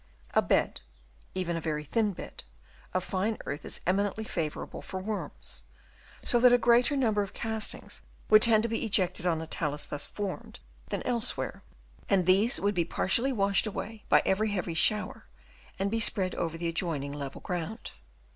A bed, even a very thin bed, of fine earth is eminently favourable for worms ; so that a greater number of castings would tend to be ejected on a talus thus formed than elsewhere ; and these would be partially washed away by every heavy shower and be spread over the adjoining level ground.